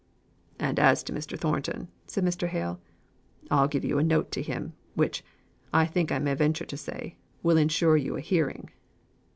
"And as to Mr. Thornton," said Mr. Hale, "I'll give you a note to him, which, I think I may venture say, will ensure you a hearing."